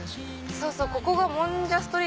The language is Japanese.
そうそう！